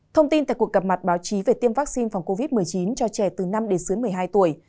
thông tin tại cuộc gặp mặt báo chí về tiêm vaccine phòng covid một mươi chín cho trẻ từ năm đến dưới một mươi hai tuổi